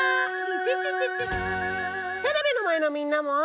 テレビのまえのみんなも。